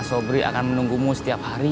oh banyak kan akuntable netoop lo